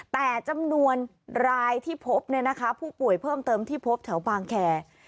แต่จำนวนรายที่พบผู้ป่วยเพิ่มเติมที่พบแถวบางแคร์